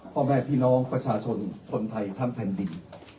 พ่อแม่พี่น้องประชาชนคนไทยทั้งแผ่นดิน